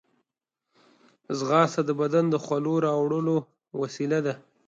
ځغاسته د بدن د خولو راوړلو وسیله ده